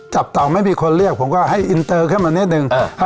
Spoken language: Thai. จับเต่าไม่มีคนเรียกผมก็ให้อินเตอร์เข้ามานิดหนึ่งเออครับ